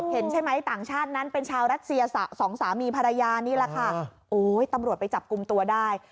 เห็นใช่ไหมต่างชาตินั้นเป็นชาวรัสเซียสองสามีภรรยานี่แหละค่ะโอ้ยตำรวจไปจับกลุ่มตัวได้